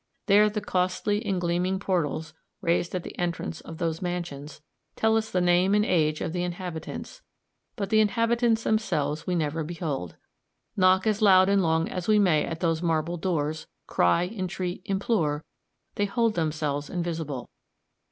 There the costly and gleaming portals, raised at the entrance of those mansions, tell us the name and age of the inhabitants, but the inhabitants themselves we never behold. Knock as loud and long as we may at those marble doors, cry, entreat, implore, they hold themselves invisible.